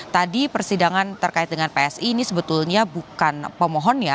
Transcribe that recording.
tadi persidangan terkait dengan psi ini sebetulnya bukan pemohon ya